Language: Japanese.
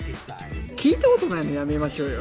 聞いたことないのやめましょうよ。